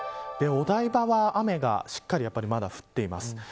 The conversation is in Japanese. お台場は雨がしっかり降っています。